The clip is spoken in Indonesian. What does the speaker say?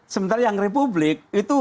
sementara yang republik itu